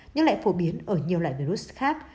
nhưng lại phổ biến ở nhiều loại virus khác